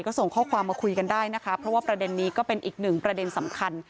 ก็ส่งข้อความมาคุยกันได้นะคะเพราะว่าประเด็นนี้ก็เป็นอีกหนึ่งประเด็นสำคัญ